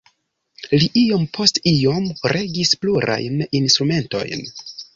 Li iom post iom regis plurajn instrumentojn.